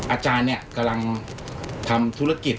อาจารย์กำลังทำธุรกิจ